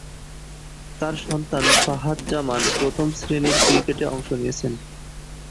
তার সন্তান ফাহাদ জামান প্রথম-শ্রেণীর ক্রিকেটে অংশ নিয়েছেন।